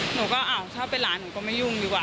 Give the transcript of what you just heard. หนูก็อ้าวถ้าเป็นหลานหนูก็ไม่ยุ่งดีกว่า